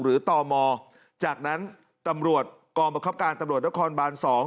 คนเข้าเมืองหรือต่อมอจากนั้นตำรวจกรมบังคับการตำรวจละครบานสอง